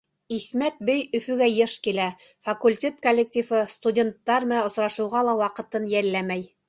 Исмәт бей Өфөгә йыш килә, факультет коллективы, студенттар менән осрашыуға ла ваҡытын йәлләмәй.